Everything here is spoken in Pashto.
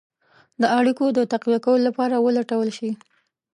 د اړېکو د تقویه کولو لپاره ولټول شي.